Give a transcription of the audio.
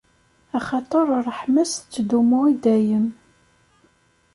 Axaṭer ṛṛeḥma-s tettdumu i dayem!